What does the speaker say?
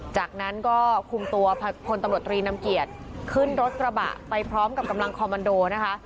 จากนั้นก็คุมตัวพลตำรวจตรีนำเกียจขึ้นรถกระบะไปพร้อมกับกำลังคอมมันโดนะคะ